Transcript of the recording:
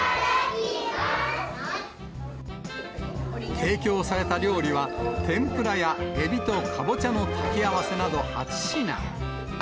提供された料理は、天ぷらやエビとカボチャの炊き合わせなど８品。